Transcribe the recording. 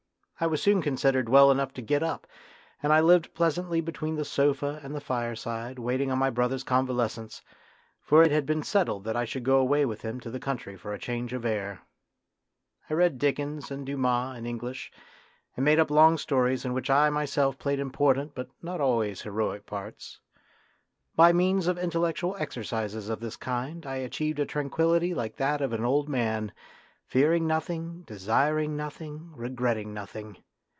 I was soon considered well enough to get up, and I lived pleasantly between the sofa and the fireside waiting on my brother's convalescence, for it had been settled that I should go away with him to the country for a change of air. I read Dickens and Dumas in English, and made up long stories in which I myself played important but not always heroic parts. By means of intellectual exercises of this kind I achieved a tranquillity like that of an old man, fearing nothing, desiring nothing, regretting nothing.